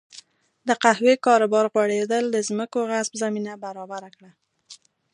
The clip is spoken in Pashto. د قهوې کاروبار غوړېدل د ځمکو غصب زمینه برابره کړه.